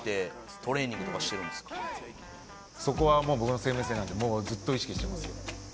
そこは僕の生命線なんでもうずっと意識してますよ。